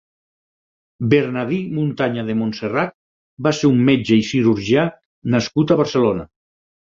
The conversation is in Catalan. Bernadí Muntanya de Montserrat va ser un metge i cirurgià nascut a Barcelona.